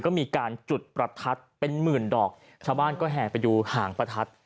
ก็มีการจุดประทัดเป็นหมื่นดอกชาวบ้านก็แห่ไปดูหางประทัด